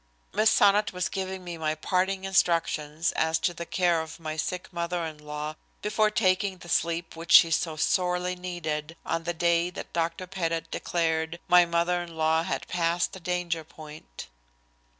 Miss Sonnot was giving me my parting instructions as to the care of my sick mother in law before taking the sleep which she so sorely needed, on the day that Dr. Pettit declared my mother in law had passed the danger point.